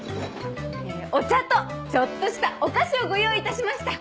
お茶とちょっとしたお菓子をご用意いたしました。